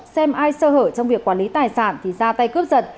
xem ai sơ hở trong việc quản lý tài sản thì ra tay cướp giật